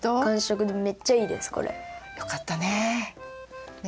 よかったね。